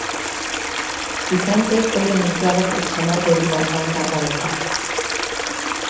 Vicente foi denunciado por chamar gorila a un garda local.